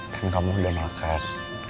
kan kamu udah makan